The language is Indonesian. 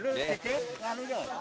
mbak gibran mundur dulu